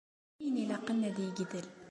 D ayen ilaqen ad yegdel.